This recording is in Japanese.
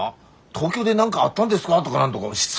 東京で何かあったんですか？」とか何とかしつ